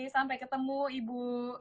sampai ketemu ibu